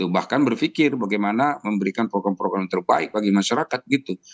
bahkan berpikir bagaimana memberikan program program yang terbaik bagi masyarakat gitu